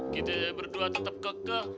kita berdua tetap kekeh